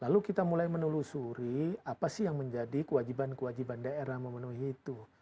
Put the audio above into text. lalu kita mulai menelusuri apa sih yang menjadi kewajiban kewajiban daerah memenuhi itu